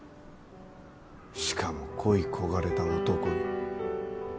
しかも恋い焦がれた男に。